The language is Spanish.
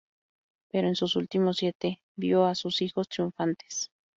Pero en sus últimos siete, vio a sus hijos triunfantes.